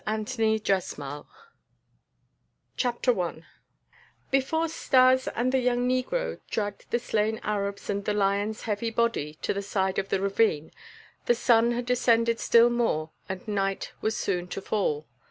PART SECOND I Before Stas and the young negro dragged the slain Arabs and the lion's heavy body to the side of the ravine the sun had descended still more and night was soon to fall.